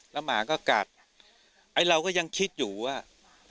แล้วหมาก็กัดไอ้เราก็ยังคิดอยู่ว่า